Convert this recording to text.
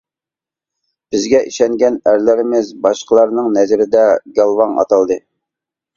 بىزگە ئىشەنگەن ئەرلىرىمىز باشقىلارنىڭ نەزىرىدە گالۋاڭ ئاتالدى.